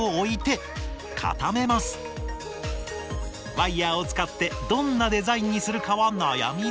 ワイヤーを使ってどんなデザインにするかは悩みどころ。